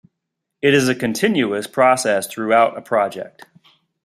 It is a continuous process throughout a project.